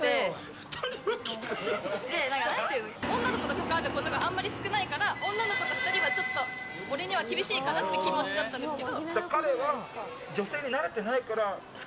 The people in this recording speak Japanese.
女の子と関わることがあんまり少ないから女の子と２人は俺には厳しいかなって気持ちだったんですけど。